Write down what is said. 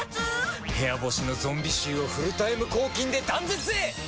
部屋干しのゾンビ臭をフルタイム抗菌で断絶へ！